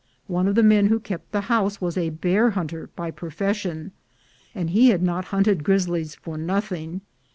One of the men who kept the house was a bear hunter by profession, and he had not hunted grizzlies for nothing.